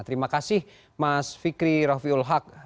terima kasih mas fikri raffiul haq